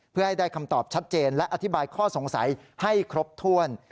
เพื่อให้ได้คำตอบชัดเจนและอธิบายข้อสงสัยให้ครบถ้วน